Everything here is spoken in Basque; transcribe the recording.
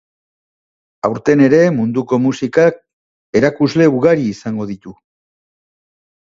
Aurten ere munduko musikak erakusle ugari izango ditu.